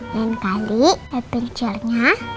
lain kali adventure nya